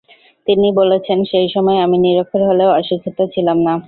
তিনি বলেছেন, "সেই সময় আমি নিরক্ষর হলেও অশিক্ষিত ছিলাম না।